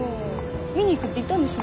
見に行くって言ったんでしょ？